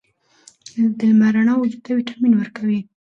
د لمر رڼا وجود ته ویټامین ورکوي.